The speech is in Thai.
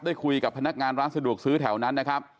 ได้คุยกับพนักงานร้านสะดวกซื้อแถวนั้นนะครับ